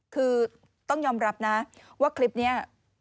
คือต้องยอมรับนะว่าคลิปนี้